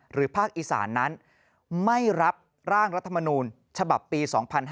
ภาคอีสานนั้นไม่รับร่างรัฐมนูลฉบับปี๒๕๕๙